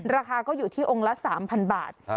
ราคาก็อยู่ที่องค์ละ๓๐๐บาท